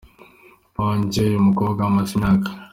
Banjye Uyu mukobwa amaze imyaka.